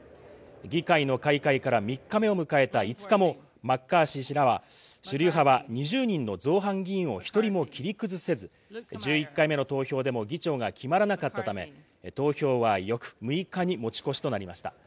議会の開会から３日目を迎えた５日も、マッカーシー氏ら主流派は２０人の造反議員を１人も切り崩せず１１回目の投票でも議長が決まらなかったため、投票は翌６日に持ち越しとなりました。